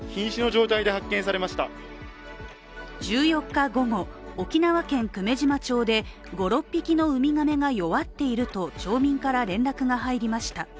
１４日午後、沖縄県久米島町で５６匹のウミガメが弱っていると、町民から連絡が入りました。